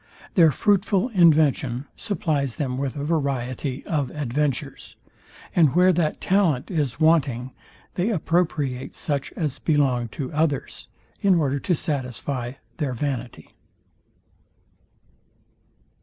Their fruitful invention supplies them with a variety of adventures; and where that talent is wanting, they appropriate such as belong to others, in order to satisfy their vanity.